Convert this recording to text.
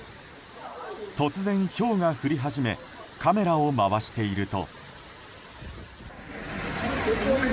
突然、ひょうが降り始めカメラを回していると。